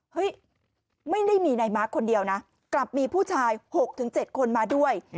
ไม่ได้มีนายมาร์คคนเดียวนะกลับมีผู้ชาย๖๗คนมาด้วย